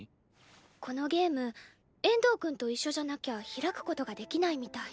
このゲーム遠藤くんと一緒じゃなきゃ開くことができないみたい。